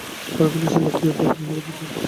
পরক্ষণেই সে লাফ দিয়ে উঠে আমাকে ধরতে এল।